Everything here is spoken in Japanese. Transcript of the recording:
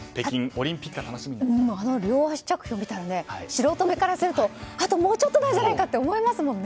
あの両足着氷見たら素人目からするとあともうちょっとなんじゃないかって思いますもんね。